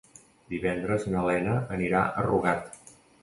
Divendres na Lena anirà a Rugat.